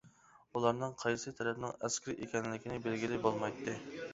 ئۇلارنىڭ قايسى تەرەپنىڭ ئەسكىرى ئىكەنلىكىنى بىلگىلى بولمايتتى.